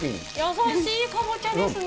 優しい、かぼちゃですね。